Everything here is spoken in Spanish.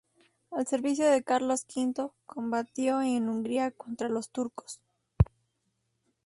Al servicio de Carlos V combatió en Hungría contra los turcos.